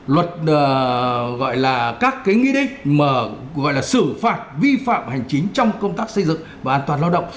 luật gọi là các cái nghĩa đấy gọi là xử phạt vi phạm hành chính trong công tác xây dựng và an toàn lao động